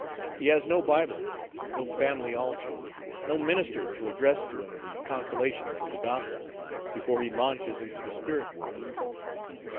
He has no Bible, no family altar, no minister to address to him the consolations of the gospel, before he launches into the spirit world.